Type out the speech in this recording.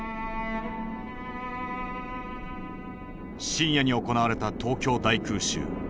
深夜に行われた東京大空襲。